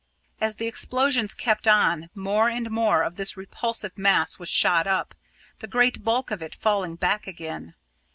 As the explosions kept on, more and more of this repulsive mass was shot up, the great bulk of it falling back again.